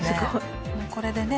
もうこれでね